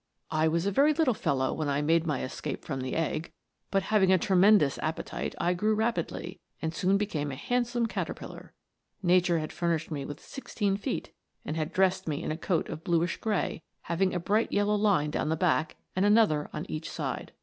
" I was a very little fellow when I made my escape from the egg, but having a tremendous appe tite I grew rapidly, and soon became a handsome caterpillar. Nature had furnished me with sixteen feet, and had dressed me in a coat of bluish grey, having a bright yellow line down the back, and another on each side.